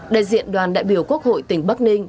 đại diện đoàn đại biểu quốc hội tỉnh bắc ninh